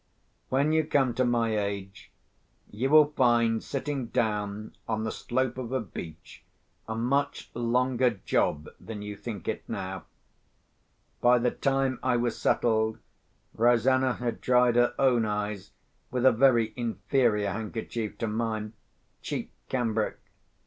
When you come to my age, you will find sitting down on the slope of a beach a much longer job than you think it now. By the time I was settled, Rosanna had dried her own eyes with a very inferior handkerchief to mine—cheap cambric.